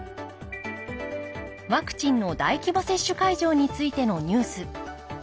ワクチンの大規模接種会場についてのニュース。